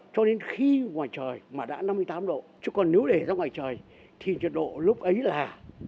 cho đến khi ngoài trời mà đã năm mươi tám độ chứ còn nếu để ra ngoài trời thì nhiệt độ lúc ấy là bảy mươi bảy mươi năm